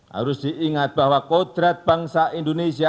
harus diingat bahwa kodrat bangsa indonesia